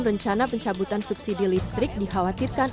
rencana pencabutan subsidi listrik dikhawatirkan